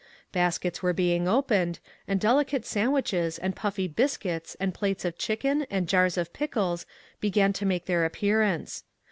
Iniskets were being opened, and delicate sandwiches and puffy biscuits and plates of chicken and jars of pickles began to make their appearance.